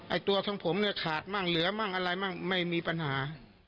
ตัวของผมเนี่ยขาดมั่งเหลือมั่งอะไรมั่งไม่มีปัญหา